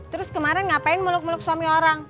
terus kemarin ngapain meluk meluk suami orang